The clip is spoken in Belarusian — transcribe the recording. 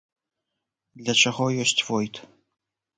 Для чаго ёсць войт?